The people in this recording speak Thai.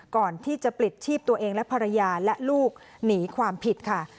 ก่อนที่จะปลิดชีพตัวเองและภรรยาและลูกหนีความผิดค่ะ